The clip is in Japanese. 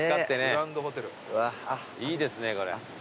いいですねこれ。